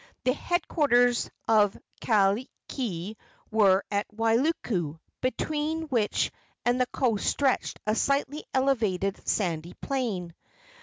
The headquarters of Kahekili were at Wailuku, between which and the coast stretched a slightly elevated sandy plain.